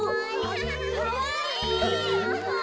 かわいい。